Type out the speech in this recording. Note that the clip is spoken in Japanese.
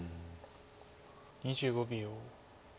２５秒。